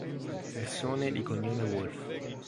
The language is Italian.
Persone di cognome Wolf